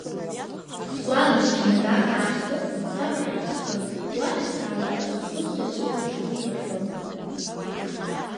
Сгәааны счамадан аашьҭыхны, сабраахь сцоит, уаҳа саауам ҳәа, сгәы сҭаҵәуо сдәықәлахуан!